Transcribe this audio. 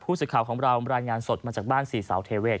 สื่อข่าวของเรารายงานสดมาจากบ้านสี่สาวเทเวศ